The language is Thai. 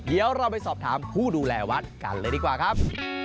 เดี๋ยวเราไปสอบถามผู้ดูแลวัดกันเลยดีกว่าครับ